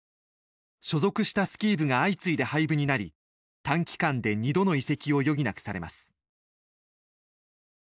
所属したスキー部が相次いで廃部になり短期間で２度の移籍を余儀なくされます。